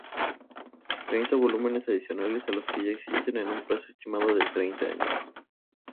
Treinta volúmenes adicionales a los ya existentes en un plazo estimado de treinta años.